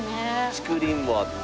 竹林もあって。